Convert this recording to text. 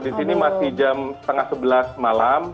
di sini masih jam setengah sebelas malam